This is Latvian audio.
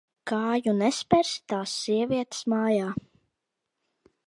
Kāju nespersi tās sievietes mājā.